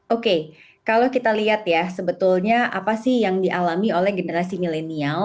oke kalau kita lihat ya sebetulnya apa sih yang dialami oleh generasi milenial